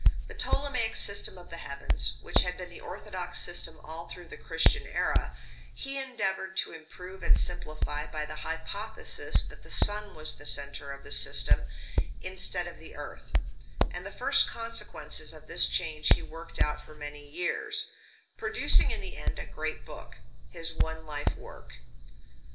The Ptolemaic system of the heavens, which had been the orthodox system all through the Christian era, he endeavoured to improve and simplify by the hypothesis that the sun was the centre of the system instead of the earth; and the first consequences of this change he worked out for many years, producing in the end a great book: his one life work.